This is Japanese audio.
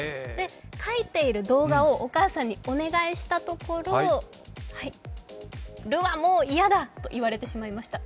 書いている動画をお母さんにお願いしたところ「る」はもう嫌だと言われました。